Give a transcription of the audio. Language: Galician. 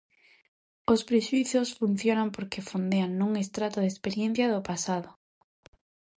Os prexuízos funcionan porque fondean nun estrato da experiencia do pasado.